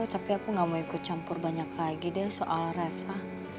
tapi aku gak mau ikut campur banyak lagi deh soal reva